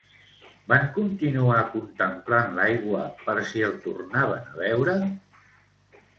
Van continuar contemplant l'aigua per si el tornaven a veure?